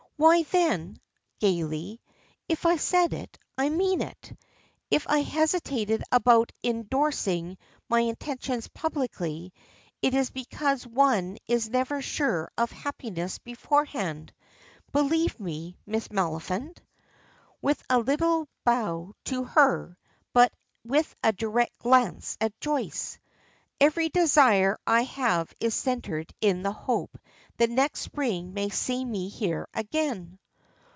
"Why, then," gayly, "if I said it, I meant it. If I hesitated about indorsing my intentions publicly, it is because one is never sure of happiness beforehand; believe me, Miss Maliphant," with a little bow to her, but with a direct glance at Joyce, "every desire I have is centered in the hope that next spring may see me here again."